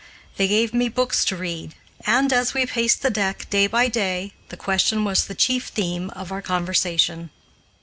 They gave me books to read, and, as we paced the deck day by day, the question was the chief theme of our conversation.